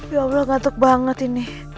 ya allah ngatuk banget ini